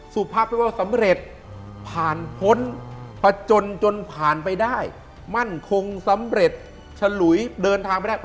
สุภะเป็นสำเร็จผ่านพ้นประจนจนผ่านไปได้